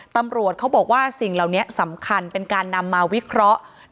ตำรวจเขาบอกว่าสิ่งเหล่านี้สำคัญเป็นการนำมาวิเคราะห์